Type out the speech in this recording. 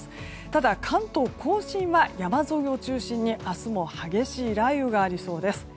ただ、関東・甲信は山沿いを中心に明日も雷雨がありそうです。